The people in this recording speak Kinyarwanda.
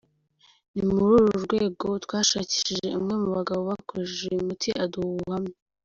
Ni muri urwo rwego twashakishije umwe mu bagabo bakoresheje uyu muti aduha ubuhamya .